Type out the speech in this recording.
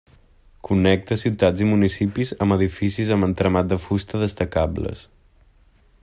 Connecta ciutats i municipis amb edificis amb entramat de fusta destacables.